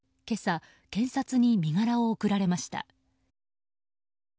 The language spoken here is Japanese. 今朝、検察に身柄を送られました。